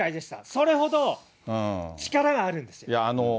それほど力があるんです。